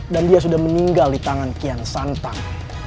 dan dia sudah meninggal di tangan kian santang